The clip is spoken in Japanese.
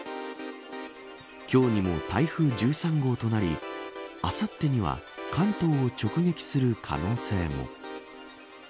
今日にも台風１３号となりあさってには関東を直撃する可能性も。